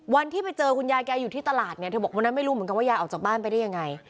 วันที่ไปเจอคุณยายแกอยู่ที่ตลาดเนี่ยเธอบอกวันนั้นไม่รู้เหมือนกันว่ายายออกจากบ้านไปได้ยังไง